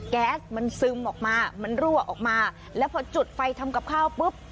แก๊สมันซึมออกมามันรั่วออกมาแล้วพอจุดไฟทำกับข้าวปุ๊บ